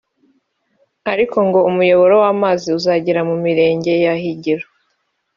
ariko ngo umuyoboro w’amazi uzagera mu mirenge ya Higiro